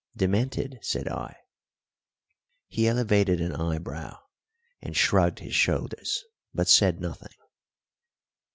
"Demented?" said I. He elevated an eyebrow and shrugged his shoulders, but said nothing.